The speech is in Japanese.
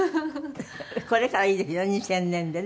これからいいですよ２０００年でね。